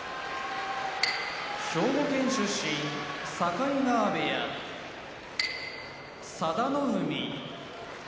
兵庫県出身境川部屋佐田の海